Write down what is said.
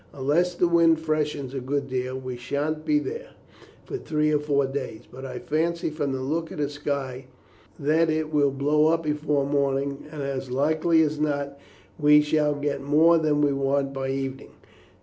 Unless the wind freshens a good deal we sha'n't be there for three or four days, but I fancy, from the look of the sky, that it will blow up before morning, and, as likely as not, we shall get more than we want by evening.